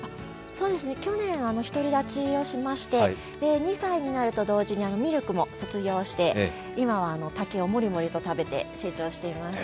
そうですね、去年ひとり立ちをしまして、２歳になると同時にミルクも卒業して今は竹をもりもりと食べて成長しています。